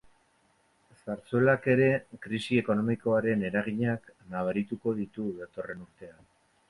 Zarzuelak ere krisi ekonomikoaren eraginak nabarituko ditu datorren urtean.